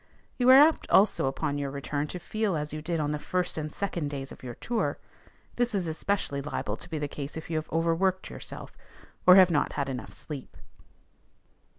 You are apt also upon your return to feel as you did on the first and second days of your tour; this is especially liable to be the case if you have overworked yourself, or have not had enough sleep.